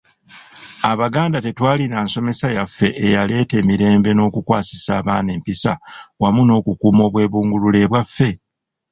Abaganda tetwalina nsomesa yaffe eyaleeta emirembe n’okukwasisa abaana empisa wamu n’okukuuma obwebungulule bwaffe?